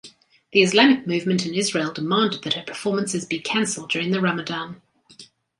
The Islamic Movement in Israel demanded that her performances be cancelled during the Ramadan.